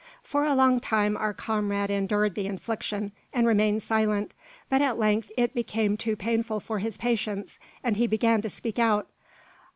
For a long time our comrade endured the infliction, and remained silent; but at length it became too painful for his patience, and he began to speak out.